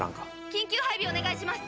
緊急配備お願いします。